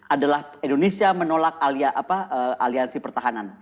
adalah indonesia menolak aliansi pertahanan